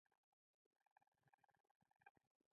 په ټولګي کې فعالیت د صلیبي جګړو د لاملونو په اړه و.